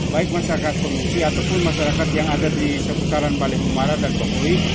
baik masyarakat pengungsi ataupun masyarakat yang ada di seputaran paling umara dan pemuli